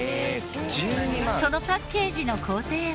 そのパッケージの工程は。